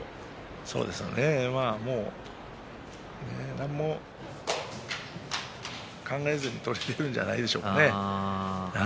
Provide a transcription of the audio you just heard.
何も考えずに相撲を取れているんじゃないでしょうかね。